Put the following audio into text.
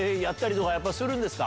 やったりするんですか？